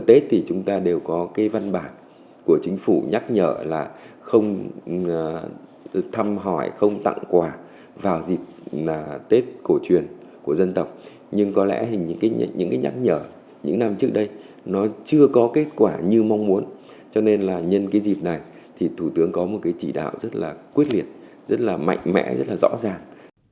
tết thì chúng ta đều có cái văn bản của chính phủ nhắc nhở là không thăm hỏi không tặng quà vào dịp tết cổ truyền của dân tộc nhưng có lẽ những cái nhắc nhở những năm trước đây nó chưa có kết quả như mong muốn cho nên là nhân cái dịp này thì thủ tướng có một cái chỉ đạo rất là quyết liệt rất là mạnh mẽ rất là rõ ràng